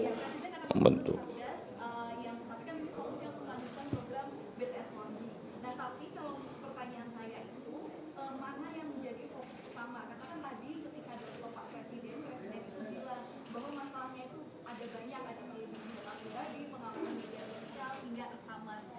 presiden akan membentuk satgas tapi kan ini polisi yang mengalami program bts